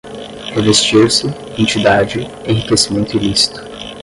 revestir-se, entidade, enriquecimento ilícito